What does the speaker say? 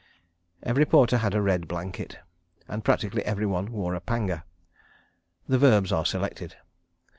... Every porter had a red blanket, and practically every one wore a panga. The verbs are selected.